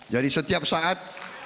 jadi setiap saat